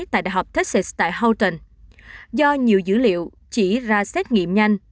tại đại học texas tại houghton do nhiều dữ liệu chỉ ra xét nghiệm nhanh